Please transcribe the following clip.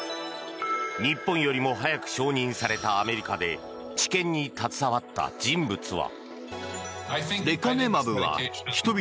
日本よりも早く承認されたアメリカで治験に携わった人物は。